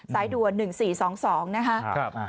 สายด่วน๑๔๒๒นะคะ